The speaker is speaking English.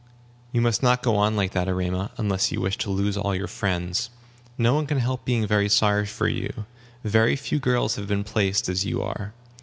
"You must not go on like that, Erema, unless you wish to lose all your friends. No one can help being sorry for you. Very few girls have been placed as you are.